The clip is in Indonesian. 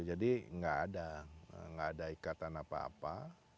jadi gak ada gak ada ikatan apa apa